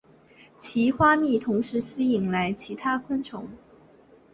其花蜜同时吸引其他种类的昆虫。